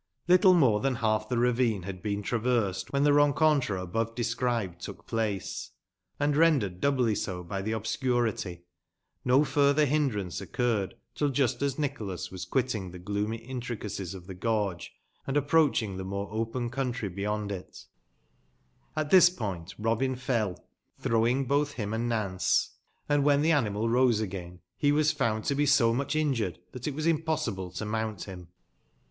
Little more tban half tbe ravine bad been traversed wben tbe rencontre above described took place ; but, tbougb tbe road was still dijficult and dangerous, and rendered doubly so by tbe obscurity, no furtber bindrance occurred tili just as Nicbolas was quitting tbe gloomy intricacies of tbe gorge, and approacb ing tbe more open countiy beyond it. At tbis point Robin feil, tbrowing botb bim and Nance, and wben tbe animal rose again be was found to be so mucb injured tbat it was impossible to mount bim.